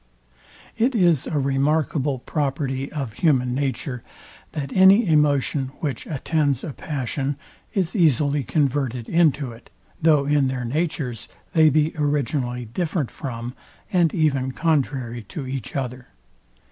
It is a remarkable property of human nature, that any emotion, which attends a passion, is easily converted into it, though in their natures they be originally different from, and even contrary to each other.